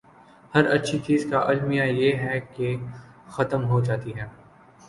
ہر اچھی چیز کا المیہ یہ ہے کہ وہ ختم ہو جاتی ہے۔